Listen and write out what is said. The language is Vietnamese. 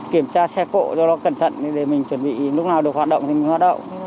kiểm tra xe cộ cho nó cẩn thận để mình chuẩn bị lúc nào được hoạt động lại